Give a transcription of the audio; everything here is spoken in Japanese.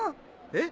えっ？